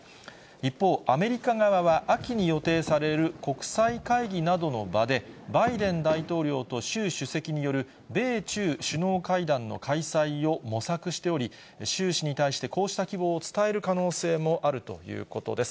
一方、アメリカ側は、秋に予定される国際会議などの場で、バイデン大統領と習主席による米中首脳会談の開催を模索しており、習氏に対してこうした希望を伝える可能性もあるということです。